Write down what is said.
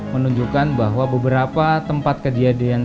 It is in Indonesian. menunjukkan bahwa beberapa tempat kejadian